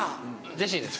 ジェシーです